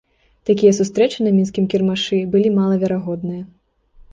Такія сустрэчы на мінскім кірмашы былі малаверагодныя.